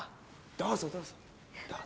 どうぞ。